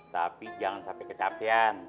tapi jangan sampai kecapian